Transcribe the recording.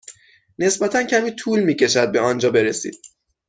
نسبتا کمی طول می کشد به آنجا برسید.